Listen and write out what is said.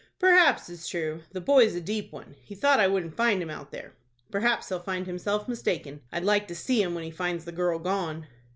"Perhaps it's true. The boy's a deep one. He thought I wouldn't find him out there. Perhaps he'll find himself mistaken. I'd like to see him when he finds the girl gone."